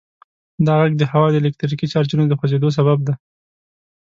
دا غږ د هوا د الکتریکي چارجونو د خوځیدو سبب دی.